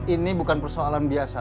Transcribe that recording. ini bukan persoalan biasa